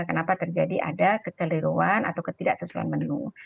kenapa terjadi ada kekeliruan atau ketidaksesuaian menu